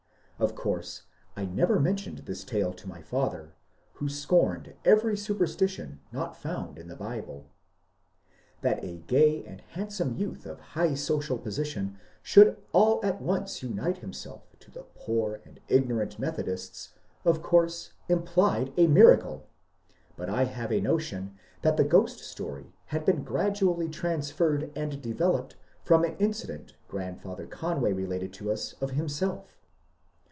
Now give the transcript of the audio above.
Of course I never mentioned this tale to my father, who scorned every superstition not found in the Bible. That a gay and handsome youth of high social position should all at once unite himself to the poor and ignorant Methodists of course implied a miracle, but I have a notion that the ghost story had been gradually transferred and de veloped from an incident grandfather Conway related to us of himself.